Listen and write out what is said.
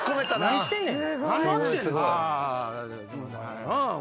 何してんねん？